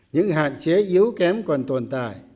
những hạn chế yếu kém còn tồn tại